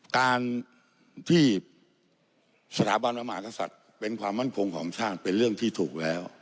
การที่สถาบันพระมหากษัตริย์เป็นความมั่นคงของชาติเป็นเรื่องที่ถูกแล้ว